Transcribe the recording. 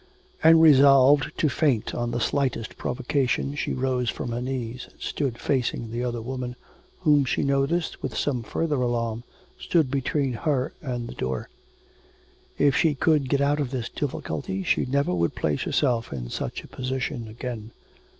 And resolved to faint on the slightest provocation she rose from her knees, and stood facing the other woman, whom she noticed, with some farther alarm, stood between her and the door. If she could get out of this difficulty she never would place herself in such a position again....